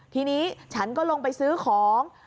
ทีนี้ฉันก็ลงไปซื้อของ